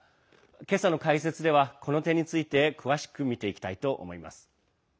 今朝の解説では、この点について詳しく見ていきたいと思います。